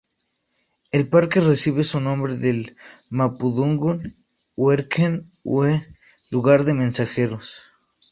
El parque recibe su nombre del mapudungun "Huerquen"-"hue", "lugar de mensajeros".